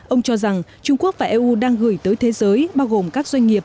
ông cho rằng trung quốc và eu đang gửi tới thế giới bao gồm các doanh nghiệp